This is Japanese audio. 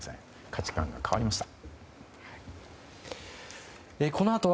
価値観が変わりました。